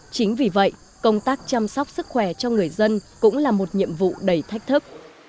chính vì vậy công tác chăm sóc sức khỏe cho người dân cũng là một nhiệm vụ đầy thách thức